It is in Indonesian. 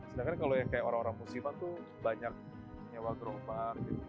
sedangkan kalau yang kayak orang orang musliman tuh banyak nyewa gerobak